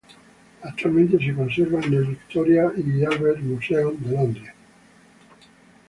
Actualmente se conserva en el "Victoria and Albert Museum" en Londres.